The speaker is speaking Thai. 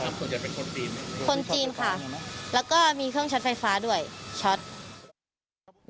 แล้วก็มีเครื่องช็อตไฟฟ้าด้วย